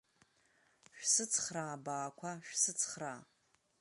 Шәсыцхраа, абаақәа, шәсыцхраа!